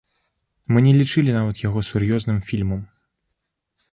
Мы не лічылі нават яго сур'ёзным фільмам.